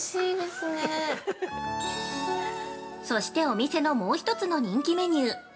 ◆そして、お店のもう一つの人気メニュー。